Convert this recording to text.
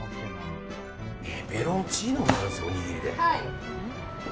ペペロンチーノがあるんですよ、おにぎりで。